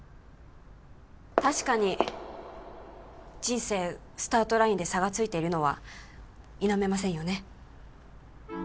確かに人生スタートラインで差がついているのは否めませんよね